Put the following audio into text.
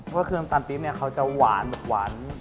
เพราะว่าคือน้ำตาลปรี๊บเนี่ยเขาจะหวานหวาน